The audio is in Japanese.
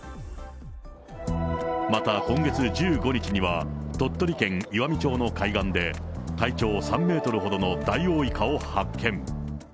また今月１５日には、鳥取県岩美町の海岸で、体長３メートルほどのダイオウイカを発見。